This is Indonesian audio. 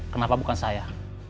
kenapa bukan saya